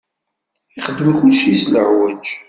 Ixeddem kulci s lɛuj.